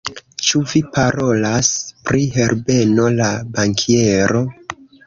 Ĉu vi parolas pri Herbeno la bankiero?